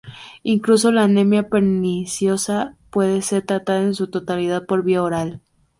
Incluso la anemia perniciosa puede ser tratada en su totalidad por vía oral.